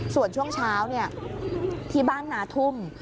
ส่วนช่วงเช้าที่บ้านนาทุ่ม